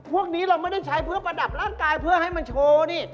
พวกนี้เราไม่ได้ใช้เพื่อประดับร่างกายเพื่อให้มันโชว์นี่